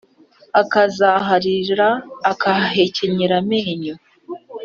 Azaririra akahahekenyera amenyo